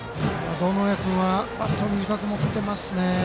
堂上君はバットを短く持ってますね。